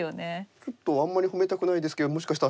ちょっとあんまり褒めたくないですけどもしかしたら